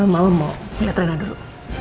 malam mau lihat rena dulu